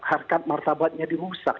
harkat martabatnya dirusak